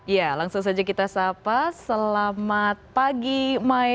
ya langsung saja kita sapa selamat pagi mai